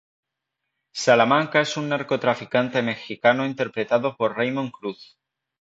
Salamanca es un narcotraficante mexicano interpretado por Raymond Cruz.